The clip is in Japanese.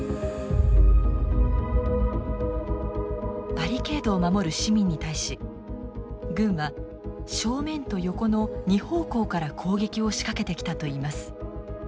バリケードを守る市民に対し軍は正面と横の２方向から攻撃を仕掛けてきたといいます。